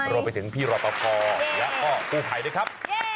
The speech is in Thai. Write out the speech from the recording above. รวมไปถึงพี่รอปภและก็กู้ภัยด้วยครับ